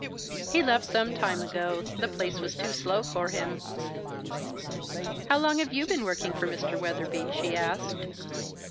"He left some time ago. The place was too slow for him." "How long have you been working for Mr. Weatherby?" she asked.